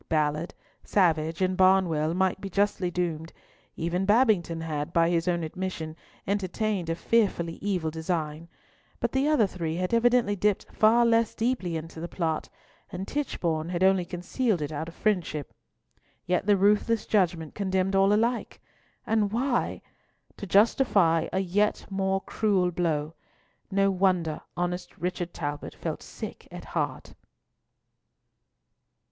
Ballard, Savage, and Barnwell might be justly doomed; even Babington had, by his own admission, entertained a fearfully evil design; but the other three had evidently dipped far less deeply into the plot, and Tichborne had only concealed it out of friendship. Yet the ruthless judgment condemned all alike! And why? To justify a yet more cruel blow! No wonder honest Richard Talbot felt sick at heart.